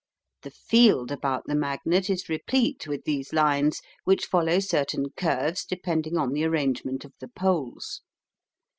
The "field" about the magnet is replete with these lines, which follow certain curves depending on the arrangement of the poles.